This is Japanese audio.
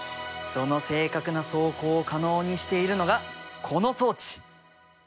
その正確な走行を可能にしているのがこの装置。